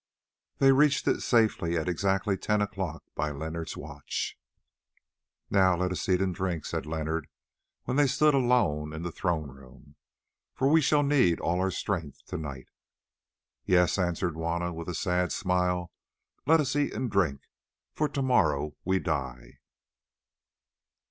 They reached it safely at exactly ten o'clock by Leonard's watch. "Now let us eat and drink," said Leonard when they stood alone in the throne room, "for we shall need all our strength to night." "Yes," answered Juanna with a sad smile, "let us eat and drink, for to morrow we die."